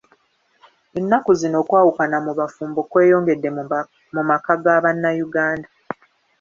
Ennaku zino okwawukana mu bafumbo kweyongedde mu maka ga bannayuganda.